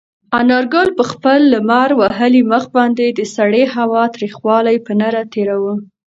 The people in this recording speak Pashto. انارګل په خپل لمر وهلي مخ باندې د سړې هوا تریخوالی په نره تېراوه.